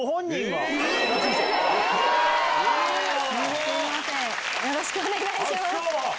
よろしくお願いします。